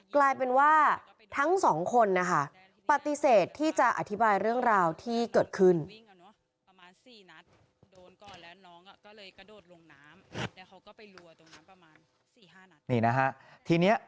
กลายเป็นว่าทั้งสองคนนะคะปฏิเสธที่จะอธิบายเรื่องราวที่เกิดขึ้น